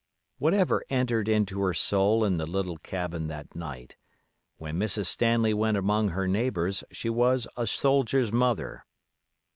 Whatever entered into her soul in the little cabin that night, when Mrs. Stanley went among her neighbors she was a soldier's mother.